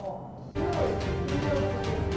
これスリーアウトチェンジ？